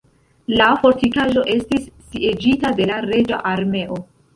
La fortikaĵo estis sieĝita de la reĝa armeo.